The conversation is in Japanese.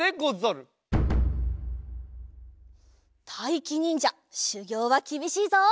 たいきにんじゃしゅぎょうはきびしいぞ。